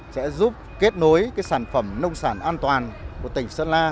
sẽ giúp kết nối sản phẩm nông sản an toàn của tỉnh sơn la